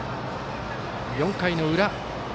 ４回の裏。